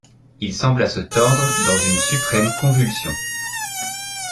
Il sembla se tordre dans une suprême convulsion.